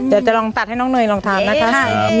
เดี๋ยวจะลองตัดให้น้องเนยลองถามนะคะ